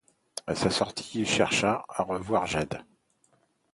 À sa sortie, il cherche à revoir Jade.